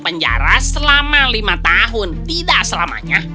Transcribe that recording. penjara selama lima tahun tidak selamanya